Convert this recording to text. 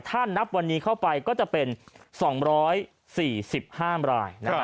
ถ้านับวันนี้เข้าไปก็จะเป็น๒๔๕ราย